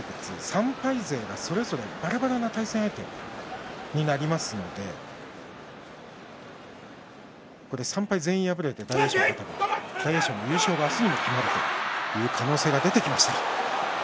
３敗勢が、それぞればらばらの対戦相手になりますので３敗全員が敗れて大栄翔が勝てば明日にも優勝が決まるという可能性が出てきました。